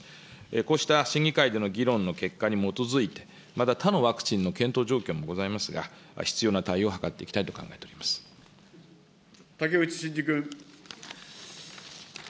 こうした審議会での議論の結果に基づいて、また他のワクチンの検討状況もございますが、必要な対応を図って竹内真二君。